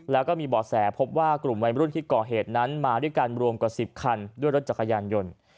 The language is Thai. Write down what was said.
แล้วก็มีบ่อแสพบว่ากลุ่มวัยรุ่นที่ก่อเหตุนั้นมาด้วยกันรวมกว่า๑๐คันด้วยรถจักรยานยนต์